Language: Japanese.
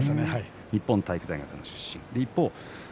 日本体育大学の出身です。